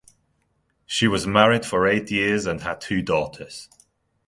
She was married for eight years and had two daughters.